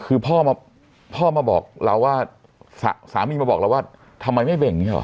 คือพ่อมาบอกเราว่าสามีมาบอกเราว่าทำไมไม่เบ่งอย่างนี้หรอ